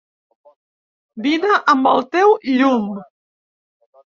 Vine amb el teu llum.